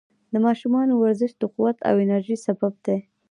د ماشومانو ورزش د قوت او انرژۍ سبب دی.